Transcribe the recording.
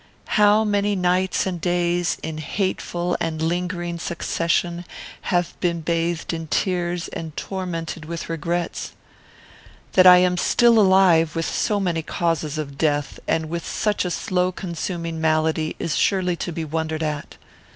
How many nights and days, in hateful and lingering succession, have been bathed in tears and tormented with regrets! That I am still alive, with so many causes of death, and with such a slow consuming malady, is surely to be wondered at.